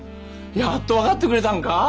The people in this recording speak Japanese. やっと分かってくれたんか？